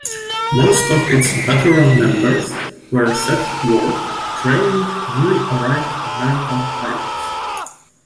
Most of its veteran members were set to work training newly arrived American pilots.